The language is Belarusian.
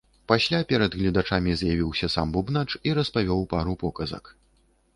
Пасля перад гледачамі з'явіўся сам бубнач і распавёў пару показак.